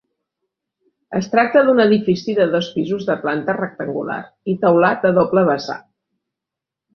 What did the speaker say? Es tracta d'un edifici de dos pisos de planta rectangular i teulat a doble vessant.